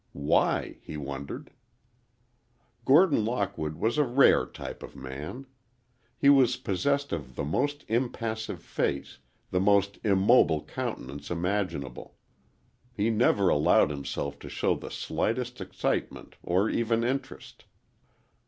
Why? He wondered. Gordon Lockwood was a rare type of man. He was possessed of the most impassive face, the most immobile countenance imaginable. He never allowed himself to show the slightest excitement or even interest.